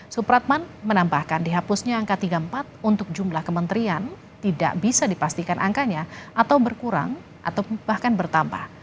supratman menambahkan dihapusnya angka tiga puluh empat untuk jumlah kementerian tidak bisa dipastikan angkanya atau berkurang atau bahkan bertambah